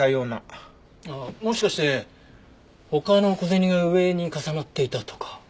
もしかして他の小銭が上に重なっていたとか？